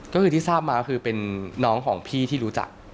ก็คือที่ทราบมาคือเป็นน้องของพี่ที่รู้จัก